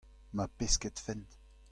ma pesketfent.